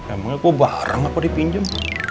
emangnya gue bareng apa dipinjam